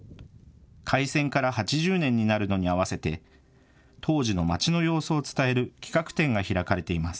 開戦から８０年になるのに合わせて当時の町の様子を伝える企画展が開かれています。